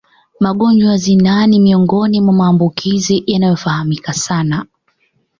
Magonjwa ya zinaa ni miongoni mwa maambukizi yanayofahamika sana